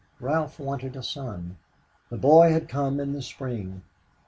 "Ralph wanted a son." The boy had come in the spring.